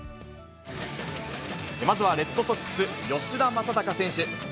まずはレッドソックス、吉田正尚選手。